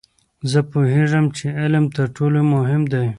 زه پوهیږم چې علم تر ټولو مهم دی.